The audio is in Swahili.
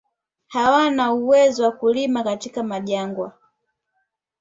Hawana uwezo wa kulima katika majangwa